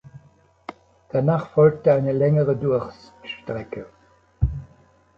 Danach folgte eine längere Durststrecke.